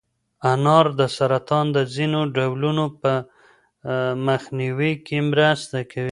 انار د سرطان د ځینو ډولونو په مخنیوي کې مرسته کوي.